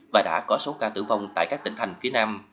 và đã có số ca tử vong tại các tỉnh thành phía nam